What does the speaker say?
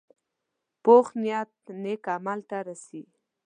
پوخ نیت نیک عمل ته رسي